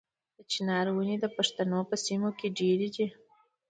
د چنار ونې د پښتنو په سیمو کې ډیرې دي.